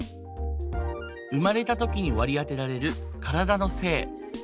生まれた時に割り当てられる体の性。